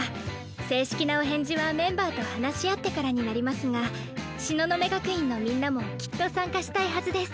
正式なお返事はメンバーと話し合ってからになりますが東雲学院のみんなもきっと参加したいはずです。